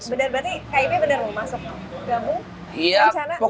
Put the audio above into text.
berarti kib bener mau masuk